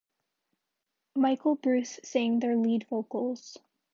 Michael Bruce sang their lead vocals.